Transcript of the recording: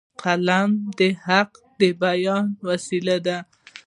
قلم د حق د بیان وسیله ده